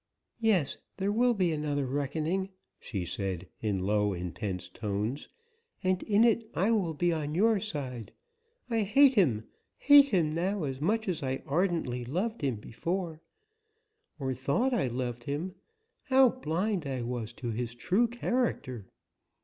"Yes, there will be another reckoning," she said, in low, intense tones, "and in it I will be on your side. I hate him hate him now as much as I ardently loved him before or thought I loved him. How blind I was to his true character!"